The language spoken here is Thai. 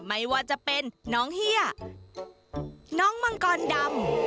ไม่ว่าจะเป็นน้องเฮียน้องมังกรดำ